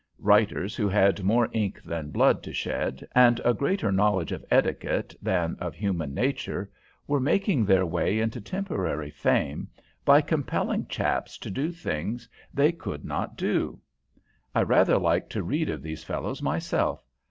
Writers who had more ink than blood to shed, and a greater knowledge of etiquette than of human nature, were making their way into temporary fame by compelling chaps to do things they could not do. I rather like to read of these fellows myself.